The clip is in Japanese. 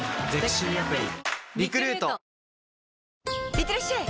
いってらっしゃい！